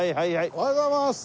おはようございます。